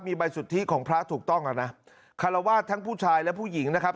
มีใบสุทธิของพระถูกต้องอ่ะนะคารวาสทั้งผู้ชายและผู้หญิงนะครับ